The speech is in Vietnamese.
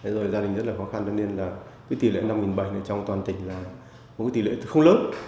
rồi gia đình rất là khó khăn nên là cái tỷ lệ năm học sinh trong toàn tỉnh là một cái tỷ lệ không lớn